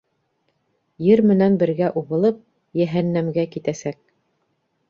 Ер менән бергә убылып, йәһәннәмгә китәсәк.